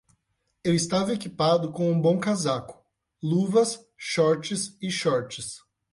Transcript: Eu estava equipado com um bom casaco, luvas, shorts e shorts.